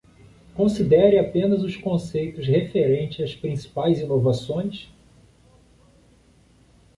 Considere apenas os conceitos referentes às principais inovações?